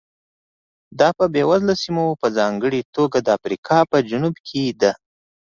دا په بېوزله سیمو په ځانګړې توګه د افریقا په جنوب کې ده.